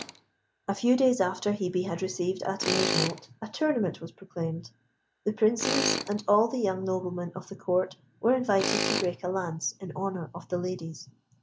A few days after Hebe had received Atimir's note, a tournament was proclaimed. The Princes, and all the young noblemen of the Court, were invited to break a lance in honour of the ladies.